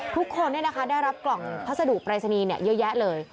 ทุกคนเนี่ยนะคะได้รับกล่องพัสดุปริศนีเนี่ยเยอะแยะเลย